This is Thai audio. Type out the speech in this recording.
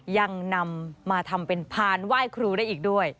ยังนำมาทำเป็นพานไหว้ครูได้อีกด้วย